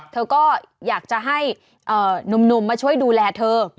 เธอก็อยากจะให้หนุ่มมาช่วยดูแลเธอ